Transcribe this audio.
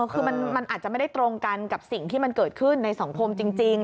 คือมันอาจจะไม่ได้ตรงกันกับสิ่งที่มันเกิดขึ้นในสังคมจริง